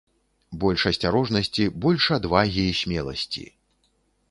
Больш асцярожнасці, больш адвагі і смеласці.